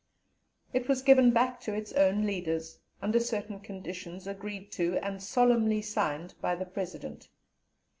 It was given back to its own leaders, under certain conditions, agreed to and solemnly signed by the President.